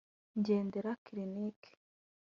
Ndengera Clinic